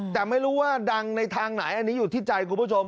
แต่ไม่รู้ว่าดังในทางไหนอันนี้อยู่ที่ใจคุณผู้ชม